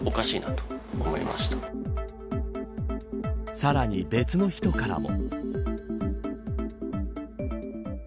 さらに別の人からも。